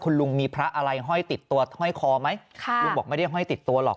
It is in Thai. คุณลุงมีพระอะไรห้อยติดตัวห้อยคอไหมลุงบอกไม่ได้ห้อยติดตัวหรอก